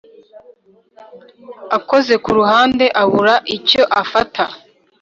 akoze ku ruhande abura icyo afata,